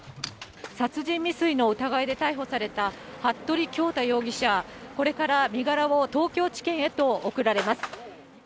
殺人未遂の疑いで逮捕された服部恭太容疑者、これから身柄を東京地検へと送られます。